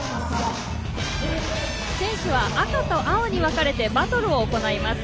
選手は赤と青に分かれてバトルを行います。